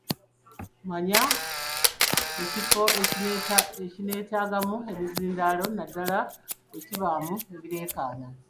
Manya oba ekifo kineetaagamu emizindaalo naddala bwe kibaamu ebireekaana.